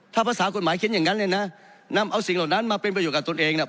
ถ้าภาษากฎหมายเขียนอย่างนั้นเลยนะนำเอาสิ่งเหล่านั้นมาเป็นประโยชนกับตนเองเนี่ย